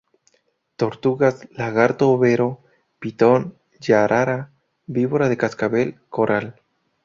Tortugas, lagarto overo, pitón, yarará, víbora de cascabel, coral